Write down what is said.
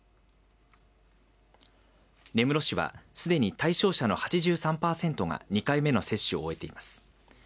根室市は、すでに対象者の８３パーセントが２回目の接種を終えています。